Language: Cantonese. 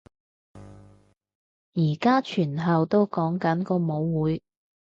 而家全校都講緊個舞會